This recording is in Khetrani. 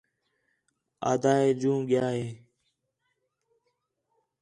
آہدا ہِے جوں ڳِیا ہیں